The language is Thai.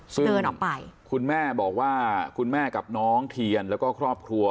เดินออกไปคุณแม่บอกว่าคุณแม่กับน้องเทียนแล้วก็ครอบครัว